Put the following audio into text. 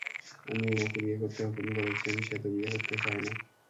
আপনি উমাকে বিয়ে করতে হুকুম করেছেন, সে তো বিয়ে করতে চায় না।